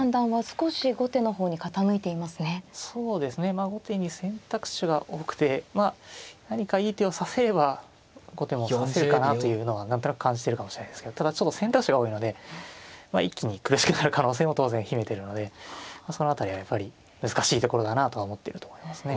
まあ後手に選択肢が多くてまあ何かいい手を指せれば後手も指せるかなというのは何となく感じてるかもしれないですけどただちょっと選択肢が多いので一気に苦しくなる可能性も当然秘めてるのでその辺りはやっぱり難しいところだなとは思っていると思いますね。